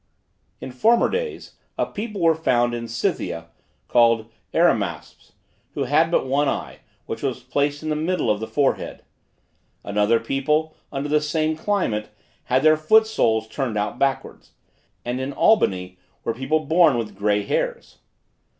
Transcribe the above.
In former days a people were found in Scythia, called Arimasps, who had but one eye, which was placed in the middle of the forehead: another people, under the same climate, had their foot soles turned out backwards, and in Albany were people born with gray hairs.